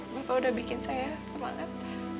bapak udah bikin saya semangat